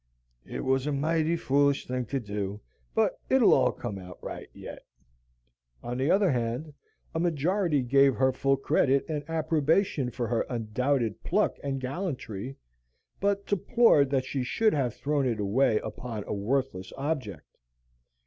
"It was a mighty foolish thing to do, but it'll all come out right yet." On the other hand, a majority gave her full credit and approbation for her undoubted pluck and gallantry, but deplored that she should have thrown it away upon a worthless object.